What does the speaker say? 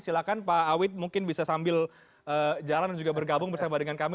silahkan pak awid mungkin bisa sambil jalan dan juga bergabung bersama dengan kami